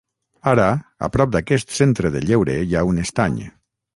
Ara, a prop d'aquest centre de lleure hi ha un estany.